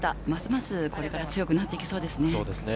ますますこれから強くなっていきそうですね。